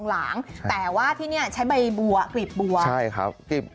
ข้างบัวแห่งสันยินดีต้อนรับทุกท่านนะครับ